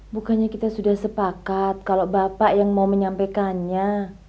bukannya kita sudah sepakat kalau bapak yang mau menyampaikannya